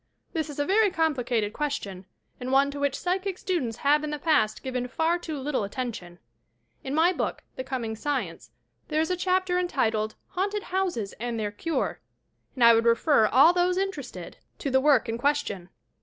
This is a very complicated question, and one to which psychic students have in the past given far too little attention. In my book "The Coming Science" there is a chapter entitled "Haunted Houses and their Cure" and I would refer all those interested to the HAUNTED HOUSES 249 work in question.